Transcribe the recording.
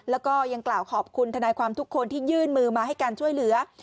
แล้วก็ยังกล่าวขอบคุณทนายความทุกคนที่ยื่นมือมาให้การช่วยเหลือ